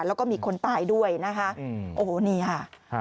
แล้วก็มีคนตายด้วยนะคะโอ้โหนี่ค่ะ